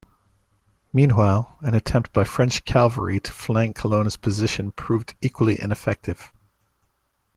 Meanwhile, an attempt by French cavalry to flank Colonna's position proved equally ineffective.